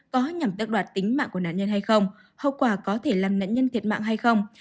có nhằm đắc đoạt tính mạng của nạn nhân hay không hậu quả có thể làm nạn nhân thiệt mạng hay không